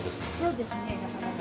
そうですねなかなかね。